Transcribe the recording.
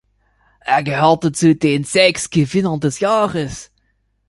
Er gehörte zu den sechs Gewinnern des Jahres.